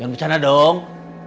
yang dicana dong